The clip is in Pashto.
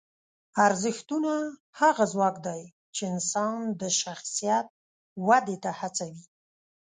ارزښتونه هغه ځواک دی چې انسان د شخصیت ودې ته هڅوي.